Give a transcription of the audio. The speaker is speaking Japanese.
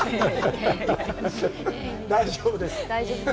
全然大丈夫です。